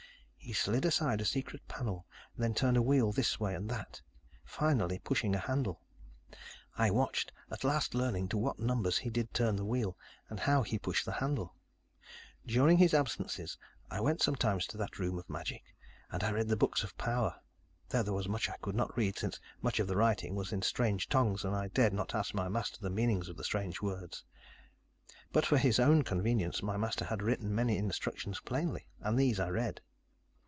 "He slid aside a secret panel, then turned a wheel this way and that, finally pushing a handle. I watched, at last learning to what numbers he did turn the wheel, and how he pushed the handle. During his absences, I went sometimes to that room of magic, and I read the books of power, though there was much I could not read, since much of the writing was in strange tongues and I dared not ask my master the meanings of the strange words. But for his own convenience, my master had written many instructions plainly. And these, I read.